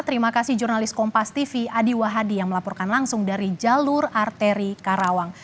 terima kasih jurnalis kompas tv adi wahadi yang melaporkan langsung dari jalur arteri karawang